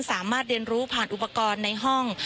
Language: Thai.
สามารถเรียนรู้ผ่านอุปกรณ์ในห้อง